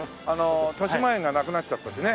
としまえんがなくなっちゃったしね。